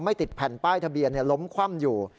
ติดแผ่นป้ายทะเบียนล้มคว่ำอยู่